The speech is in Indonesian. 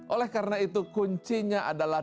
oleh karena itu kuncinya adalah